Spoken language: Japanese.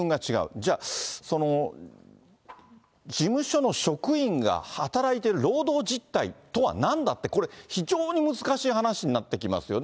じゃ、事務所の職員が働いている労働実態とはなんだって、これ、非常に難しい話になってきますよね。